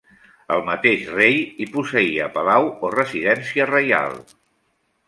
El mateix rei hi posseïa palau o residència reial.